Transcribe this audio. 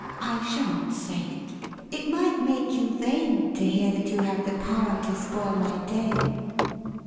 I shan't say it. It might make you vain to hear that you had the power to spoil my day."